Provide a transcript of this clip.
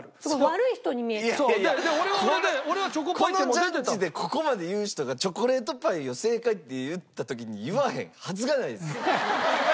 いやいやこのジャッジでここまで言う人がチョコレートパイを正解って言った時に言わへんはずがないです。